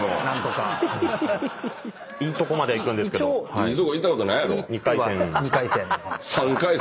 いいとこいったことないやろ。